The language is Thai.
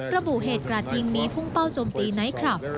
ระบุเหตุกราดยิงนี้พุ่งเป้าจมตีไนท์คลับ